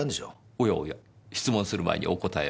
おやおや質問する前にお答えを。